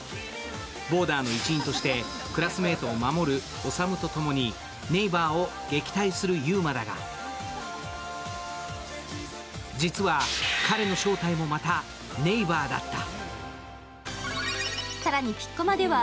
ボーダーの一員としてクラスメートを守る修とともにネイバーを撃退する遊真だが実は彼の正体もまたネイバーだった。